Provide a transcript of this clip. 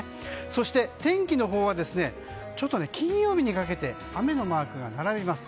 そして、天気のほうはちょっと金曜日にかけて雨のマークが並びます。